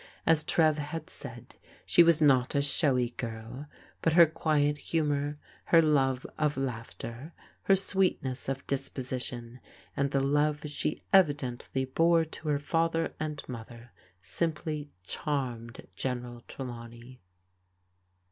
As Trev had said, she was not a showy girl, but her quiet humour, her love of laughter, her sweetness of disposition, and the love she evidently bore to her father and mother, simply charmed General Trelawney.